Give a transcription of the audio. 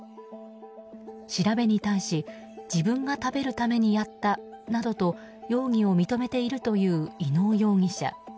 調べに対し自分が食べるためにやったなどと容疑を認めているという伊能容疑者。